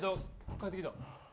帰ってきた。